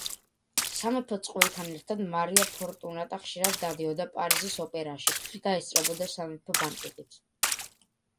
სამეფო წყვილთან ერთად მარია ფორტუნატა ხშირად დადიოდა პარიზის ოპერაში და ესწრებოდა სამეფო ბანკეტებს.